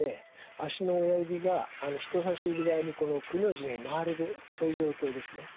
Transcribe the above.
足の親指が人さし指側にくの字に曲がるそういう状況ですね。